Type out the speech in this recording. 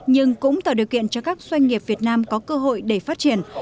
nhưng cũng tạo điều kiện cho các doanh nghiệp việt nam có cơ hội để phát triển